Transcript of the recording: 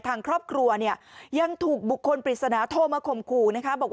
ทางครอบครัวเนี่ยยังถูกบุคคลปริศนาโทรมาข่มขู่นะคะบอกว่า